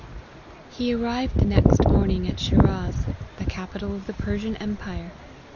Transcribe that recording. HE arrived the next morning at Shiraz, the capi tal of the Persian empire.